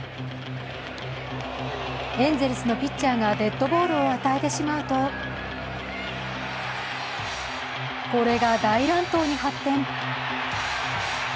エンゼルスのピッチャーがデッドボールを与えてしまうとこれが大乱闘に発展。